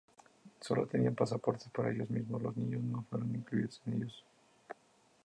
Solo tenían pasaportes para ellos mismos; los niños no fueron incluidos en ellos.